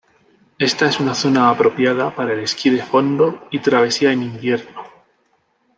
Esta es una zona apropiada para el esquí de fondo y travesía en invierno.